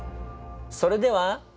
それでは。